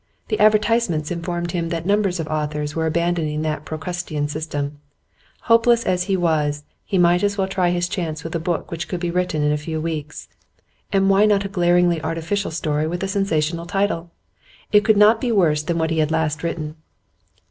The advertisements informed him that numbers of authors were abandoning that procrustean system; hopeless as he was, he might as well try his chance with a book which could be written in a few weeks. And why not a glaringly artificial story with a sensational title? It could not be worse than what he had last written.